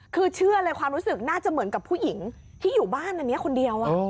คือเชื่อเลยความรู้สึกน่าจะเหมือนกับผู้หญิงที่อยู่บ้านอันนี้คนเดียว